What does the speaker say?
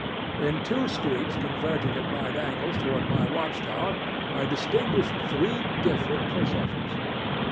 In two streets converging at right angles toward my watch tower I distinguish three different processions.